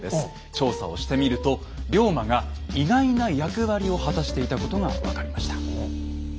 調査をしてみると龍馬が意外な役割を果たしていたことが分かりました。